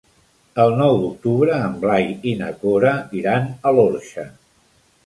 El nou d'octubre en Blai i na Cora iran a l'Orxa.